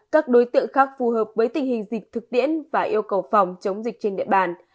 các đối tượng khác phù hợp với tình hình dịch thực tiễn và yêu cầu phòng chống dịch trên địa bàn